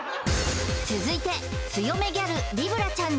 続いて強めギャルりぶらちゃん